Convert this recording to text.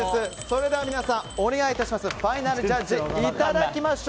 それでは皆さん、お願いします。